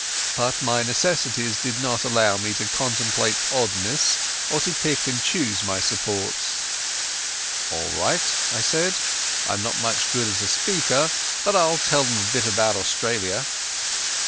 But my necessities did not allow me to contemplate oddnesses or to pick and choose my supports. "All right," I said. "I'm not much good as a speaker, but I'll tell them a bit about Australia."